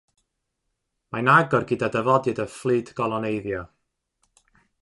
Mae'n agor gyda dyfodiad y fflyd goloneiddio.